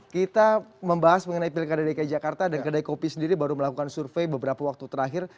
kita membahas mengenai pilkada dki jakarta dan kedai kopi sendiri baru melakukan survei beberapa waktu terakhir